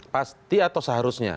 pasti atau seharusnya